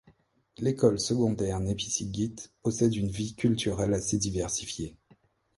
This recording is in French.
L'École Secondaire Népisiguit possède une vie culturelle assez diversifiée.